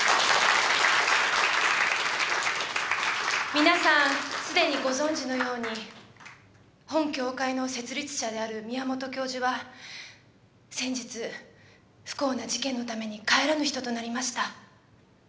皆さんすでにご存じのように本協会の設立者である宮本教授は先日不幸な事件のために帰らぬ人となりました。